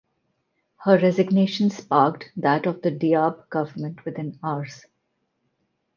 Her resignation sparked that of the Diab government within hours.